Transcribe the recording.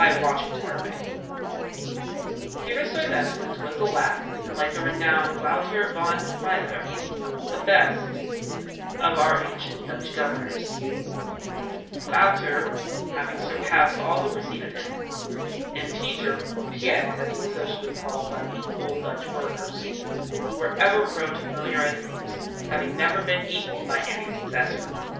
PETER STUYVESANT Peter Stuyvesant was the last, and, like the renowned Wouter Van Twiller, the best of our ancient Dutch Governors, Wouter having surpassed all who preceded him, and Peter, or Piet, as he was sociably called by the old Dutch burghers, who were ever prone to familiarize names, having never been equaled by any successor.